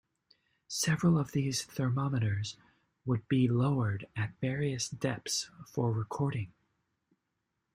Several of these thermometers would be lowered at various depths for recording.